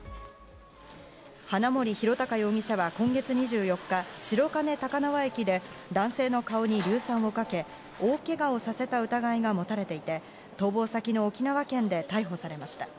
花森弘卓容疑者は今月２４日、白金高輪駅で男性の顔に硫酸をかけ大けがをさせた疑いが持たれていて逃亡先の沖縄県で逮捕されました。